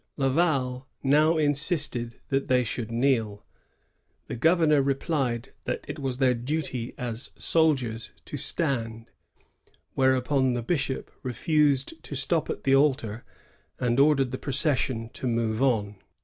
Laval now insisted that they should kneel. The governor replied that it was their duty as soldiers to stand ; whereupon the bishop refused to stop at the altar, and ordered the procession to move on.